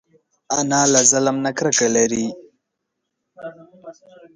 انا له ظلم نه کرکه لري